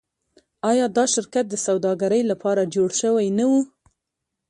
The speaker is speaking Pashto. آیا دا شرکت د سوداګرۍ لپاره جوړ شوی نه و؟